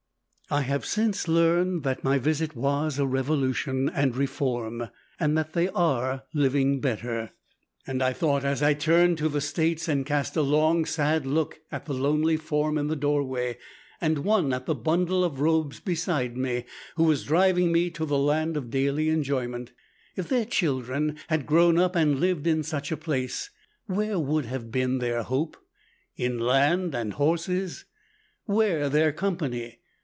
I have since learned that my visit was a revolution and reform, and that they are living better. And I thought, as I turned to the States and cast a long sad look at the lonely form in the doorway, and one at the bundle of robes beside me, who was driving me to the land of daily enjoyment, if their children had grown up and lived in such a place, where would have been their hope? In land and horses! Where their company?